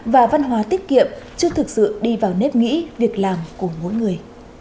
và văn hóa tiết kiệm chưa thực sự đi vào nếp nghĩ việc làm của mỗi người